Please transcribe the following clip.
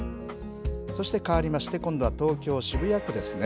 そしてかわりまして、今度は東京・渋谷区ですね。